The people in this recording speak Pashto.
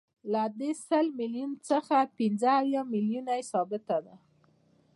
له دې سل میلیونو څخه پنځه اویا میلیونه یې ثابته ده